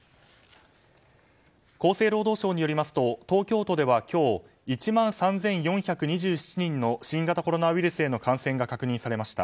厚生労働省によりますと東京都では今日１万３４２７人の新型コロナウイルスへの感染が確認されました。